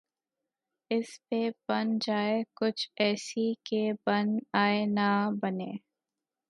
اس پہ بن جائے کچھ ایسی کہ بن آئے نہ بنے